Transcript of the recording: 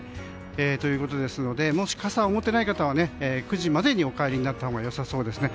ということでもし、傘を持っていない方は９時までにお帰りになったほうがよさそうですね。